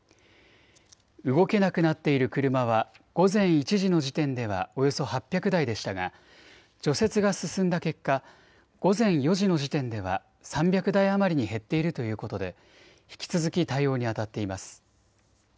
動けなくなっている車は午前１時の時点ではおよそ８００台でしたが除雪が進んだ結果、午前４時の時点では３００台余りに減っているということで引き続き対応にあたっています。